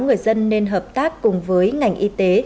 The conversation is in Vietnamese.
người dân nên hợp tác cùng với ngành y tế